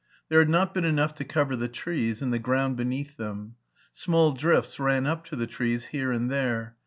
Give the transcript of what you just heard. There had not been enough to cover the trees, and the ground beneath them. Small drifts ran up to the trees here and there.